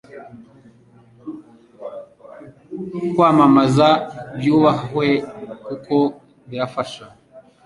Kwamamaza byubahwe kuko birafasha